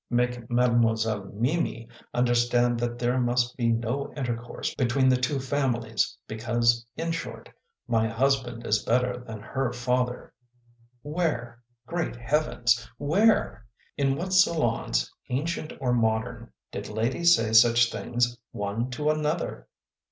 Make Mademoiselle Mimi understand that there must be no intercourse between the two families, because in short, my husband is better than her father; Where? Great heavens! Where? In what salons ancient or modern did ladies say such things one to another